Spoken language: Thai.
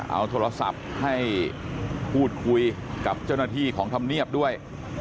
เอาโทรศัพท์ให้พูดคุยกับเจ้าหน้าที่ของธรรมเนียบด้วย